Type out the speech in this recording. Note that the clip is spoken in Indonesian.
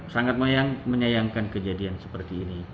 sangat menyayangkan kejadian seperti ini